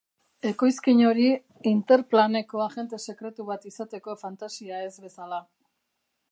Ekoizkin hori, Interplaneko agente sekretu bat izateko fantasia ez bezala.